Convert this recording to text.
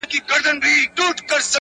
راسئ له زړونو به اول توري تیارې و باسو,